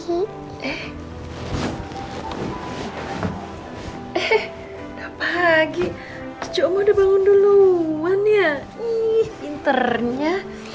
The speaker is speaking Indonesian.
eh udah pagi cucu uma udah bangun duluan ya ih pinternya